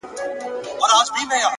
پرمختګ له روښانه موخو ځواک اخلي.!